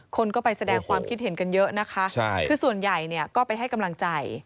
คนก็ไปแสดงความคิดเห็นกันเยอะนะคะคือส่วนใหญ่เนี่ยก็ไปให้กำลังใจ